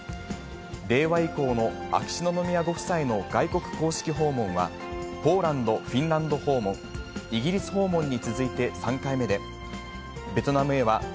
令和以降の秋篠宮ご夫妻の外国公式訪問は、ポーランド、フィンランド訪問、イギリス訪問に続いて３回目で、以上、きょうコレをお伝えし